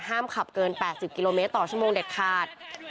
ห้ามขับเกิน๘๐กิโลเมตรต่อชั่วโมงเด็ดขาด